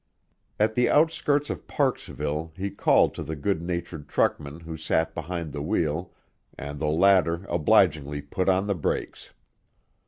At the outskirts of Parksville he called to the good natured truckman who sat behind the wheel, and the latter obligingly put on the brakes.